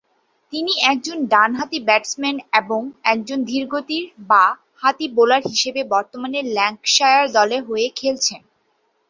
তিনি একজন ডান-হাতি ব্যাটসম্যান এবং একজন ধীরগতির বা-হাতি বোলার হিসেবে বর্তমানে ল্যাঙ্কাশায়ার দলের হয়ে খেলছেন।